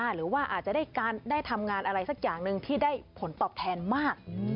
หรือว่าอาจจะได้ทำงานอะไรสักอย่างหนึ่งที่ได้ผลตอบแทนมาก